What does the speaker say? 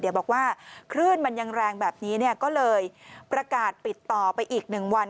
เดี๋ยวบอกว่าคลื่นมันยังแรงแบบนี้ก็เลยประกาศปิดต่อไปอีก๑วัน